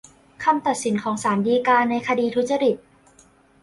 คำตัดสินของศาลฎีกาในคดีทุจริต